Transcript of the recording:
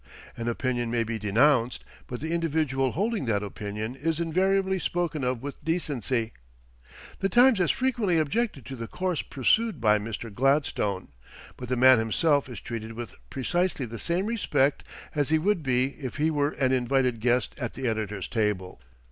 An opinion may be denounced; but the individual holding that opinion is invariably spoken of with decency. "The Times" has frequently objected to the course pursued by Mr. Gladstone; but the man himself is treated with precisely the same respect as he would be if he were an invited guest at the editor's table.